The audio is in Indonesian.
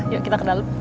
yuk kita ke dalam